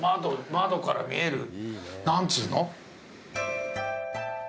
窓から見える、なんつうの？